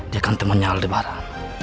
dia kan temennya aldebaran